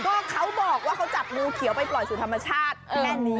ก็เขาบอกว่าเขาจับงูเขียวไปปล่อยสู่ธรรมชาติแค่นี้